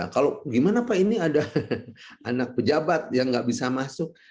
kalau gimana pak ini ada anak pejabat yang nggak bisa masuk